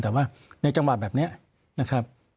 แต่ว่าในจังหวะแบบนี้นะครับ